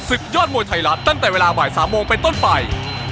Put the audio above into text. ศึกยอดมวยไทยรัฐตั้งแต่เวลาบ่าย๓โมงไปต้นไป